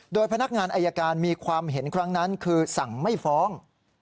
โดยพนักงานอายการมีความเห็นครั้งนั้นคือสั่งไม่ฟ้อง